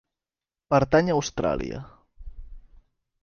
Pertany a Austràlia.